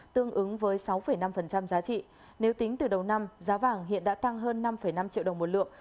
tương ứng với sáu năm giá trị nếu tính từ đầu năm giá vàng hiện đã tăng hơn năm năm triệu đồng một lượng